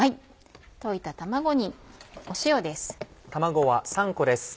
溶いた卵に塩です。